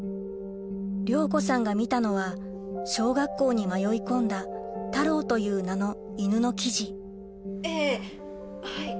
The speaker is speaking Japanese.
亮子さんが見たのは小学校に迷い込んだタローという名の犬の記事ええはい。